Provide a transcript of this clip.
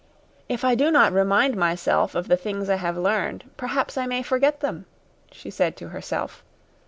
"If I do not remind myself of the things I have learned, perhaps I may forget them," she said to herself.